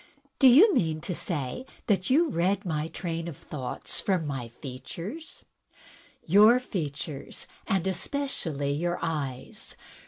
" Do you mean to say that you read my train of thoughts from my features?" "Your features, and especially your eyes.